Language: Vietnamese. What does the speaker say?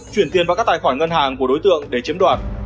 chuyển tiền vào các tài khoản ngân hàng của đối tượng để chiếm đoạt